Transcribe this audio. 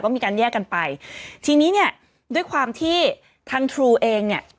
มีการแยกกันไปทีนี้เนี่ยด้วยความที่ทางทรูเองเนี่ย